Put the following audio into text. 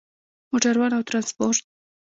موټروان او ترانسپورت